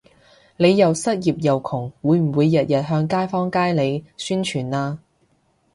你又失業又窮會唔會日日向街坊街里宣佈吖？